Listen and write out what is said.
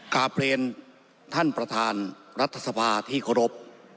กาเปรียนท่านประธานรัฐสภาที่โกรภ